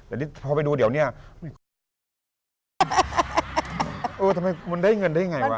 อันนี้มันได้เงินได้อย่างไร